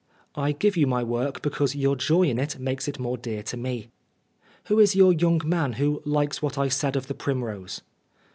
I give you my work because your joy in it makes it more dear to me. " Who is your young man who likes what I said of the primrose